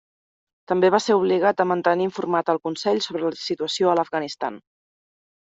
També va ser obligat a mantenir informat al Consell sobre la situació a l'Afganistan.